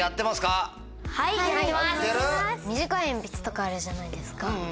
やってる？とかあるじゃないですか。